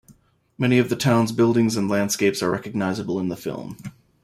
Many of the town's buildings and landscapes are recognizable in the film.